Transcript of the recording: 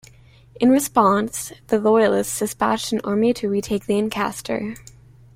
In response, the Royalists dispatched an army to retake Lancaster.